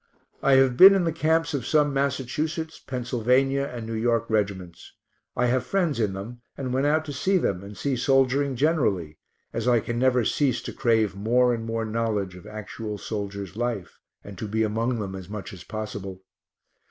I have been in the camps of some Massachusetts, Pennsylvania, and New York regiments. I have friends in them, and went out to see them, and see soldiering generally, as I can never cease to crave more and more knowledge of actual soldiers' life, and to be among them as much as possible.